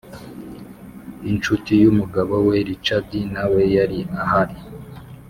inshuti y'umugabo we richards nawe yari ahari,